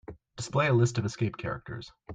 Display a list of escape characters.